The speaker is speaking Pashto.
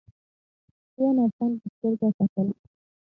ځوان افغان په سترګه کتل.